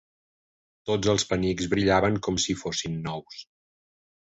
Tots els penics brillaven com si fossin nous.